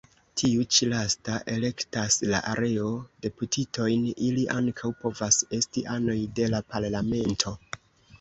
Tiu ĉi lasta elektas la areo-deputitojn; ili ankaŭ povas esti anoj de la Parlamento.